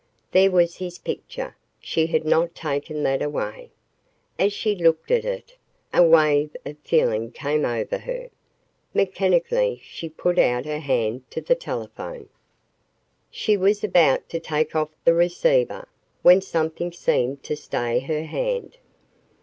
There was his picture. She had not taken that away. As she looked at it, a wave of feeling came over her. Mechanically, she put out her hand to the telephone. She was about to take off the receiver, when something seemed to stay her hand.